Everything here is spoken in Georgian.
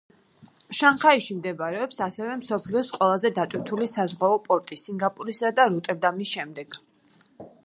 შანხაიში მდებარეობს ასევე მსოფლიოს ყველაზე დატვირთული საზღვაო პორტი სინგაპურისა და როტერდამის შემდეგ.